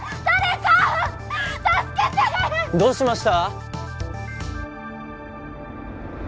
・どうしました？